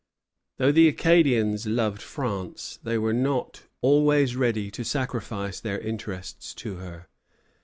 ] Though the Acadians loved France, they were not always ready to sacrifice their interests to her.